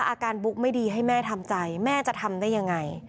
ถ้าอาการบุ๊คไม่ดีให้แม่ทำใจแม่จะทำได้ยังไง